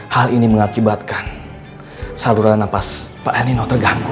hal ini mengakibatkan saluran nafas pak el nino terganggu